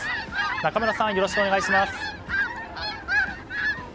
仲村さん、よろしくお願いします。